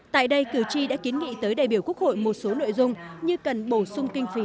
tại đây cử tri đã kiến nghị tới đại biểu quốc hội một số nội dung như cần bổ sung kinh phí